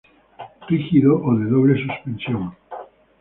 Rígido o de doble suspensión.